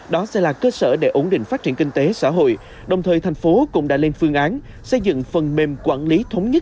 đó sẽ là cơ sở để ổn định phát triển kinh tế xã hội đồng thời thành phố cũng đã lên phương án xây dựng phần mềm quản lý thống nhất